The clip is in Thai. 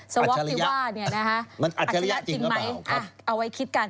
สวกติว่านี่นะฮะอัชริยะจริงไหมอ่าเอาไว้คิดกัน